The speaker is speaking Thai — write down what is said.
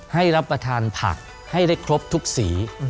รับประทานผักให้ได้ครบทุกสี